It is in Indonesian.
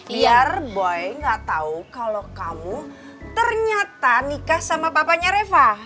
biar boy gak tahu kalau kamu ternyata nikah sama papanya reva